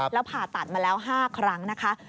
แล้วผ่าตัดมาแล้ว๕ครั้งนะคะ